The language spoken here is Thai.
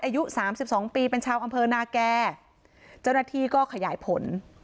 อายุสามสิบสองปีเป็นชาวอำเภอนาแก่เจ้าหน้าที่ก็ขยายผล